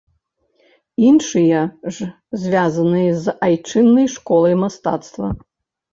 Іншыя ж звязаныя з айчыннай школай мастацтва.